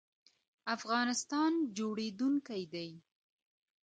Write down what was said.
افغانستان جوړیدونکی دی